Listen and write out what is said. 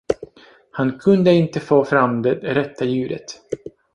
Han kunde inte få fram det rätta ljudet.